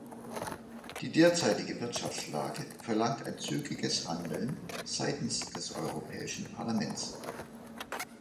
Die derzeitige Wirtschaftslage verlangt ein zügiges Handeln seitens des Europäischen Parlaments.